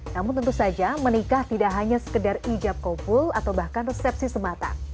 namun tentu saja menikah tidak hanya sekedar ijab kompul atau bahkan resepsi semata